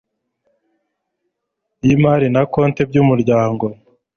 y imali na konte by umuryango